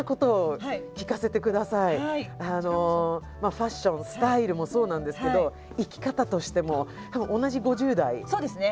ファッションスタイルもそうなんですけど生き方としてもそうですね。